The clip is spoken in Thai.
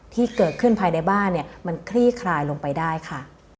ที่เกิดขึ้นภายในบ้านเนี่ยมันคลี่คลายลงไปได้ค่ะ